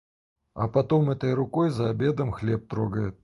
А потом этой рукой за обедом хлеб трогает.